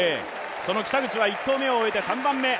その北口は１投目を終えて３番目。